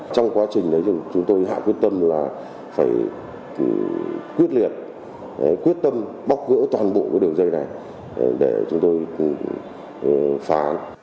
trong quá trình đấy chúng tôi hạ quyết tâm là phải quyết liệt quyết tâm bóc gỡ toàn bộ đường dây này để chúng tôi phá án